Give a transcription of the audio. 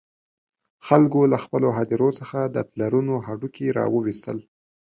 خلکو له خپلو هدیرو څخه د پلرونو هډوکي را وویستل.